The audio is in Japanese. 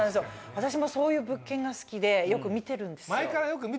私もそういう物件が好きでよく見てるんですよ。